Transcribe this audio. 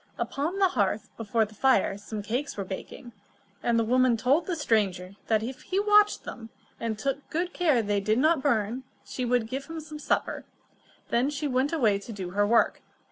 Upon the hearth before the fire, some cakes were baking, and the woman told the stranger that if he watched them, and took care that they did not burn, she would give him some supper. Then she went away to do her work.